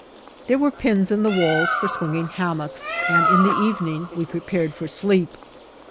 There were pins in the walls for swinging hammocks, and in the evening we prepared for sleep.